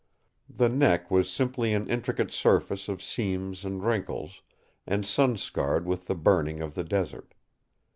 The neck was simply an intricate surface of seams and wrinkles, and sun scarred with the burning of the Desert.